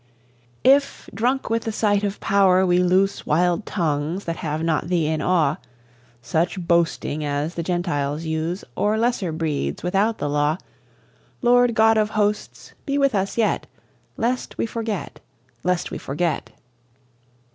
If, drunk with sight of power, we loose Wild tongues that have not Thee in awe Such boasting as the Gentiles use Or lesser breeds without the Law Lord God of Hosts, be with us yet, Lest we forget lest we forget!